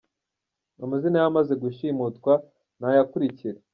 Amazina y’abamaze gushimutwa ni aya akurikira: